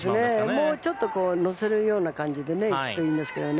もう少し乗せるような感じでいくといいんですけどね。